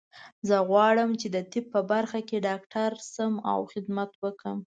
زه غواړم چې د طب په برخه کې ډاکټر شم او خدمت وکړم